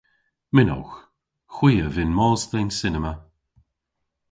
Mynnowgh. Hwi a vynn mos dhe'n cinema.